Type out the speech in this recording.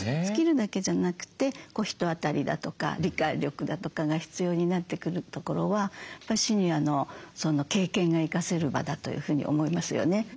スキルだけじゃなくて人当たりだとか理解力だとかが必要になってくるところはシニアの経験が生かせる場だというふうに思いますよね。